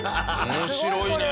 面白いね。